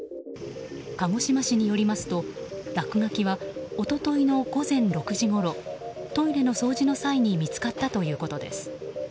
鹿児島市によりますと落書きは一昨日の午前６時ごろトイレの掃除の際に見つかったということです。